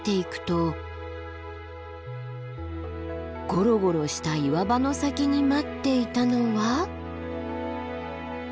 ゴロゴロした岩場の先に待っていたのは。